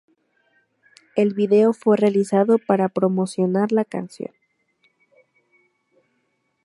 El vídeo fue realizado para promocionar la canción.